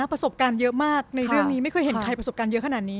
ประสบการณ์เยอะมากในเรื่องนี้ไม่เคยเห็นใครประสบการณ์เยอะขนาดนี้